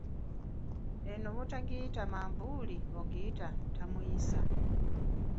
Eno bw'otogiyita manvuuli ogiyita tamusiya.